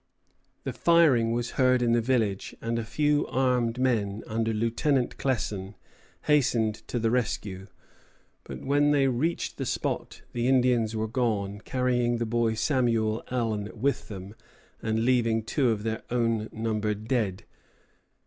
The firing was heard in the village, and a few armed men, under Lieutenant Clesson, hastened to the rescue; but when they reached the spot the Indians were gone, carrying the boy Samuel Allen with them, and leaving two of their own number dead.